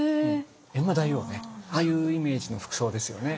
閻魔大王ねああいうイメージの服装ですよね。